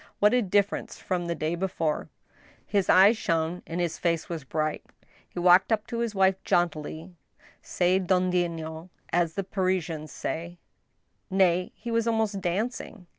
What a difference from the day before ! His eyes shone, and his face was bright. He walked up to his wife jauntily, se dandtnant, as the Parisians say— nay, he was almost dancing.